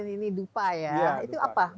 ini dupa ya itu apa